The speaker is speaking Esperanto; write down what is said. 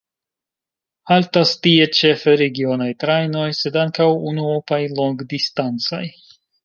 Haltas tie ĉefe regionaj trajnoj, sed ankaŭ unuopaj longdistancaj.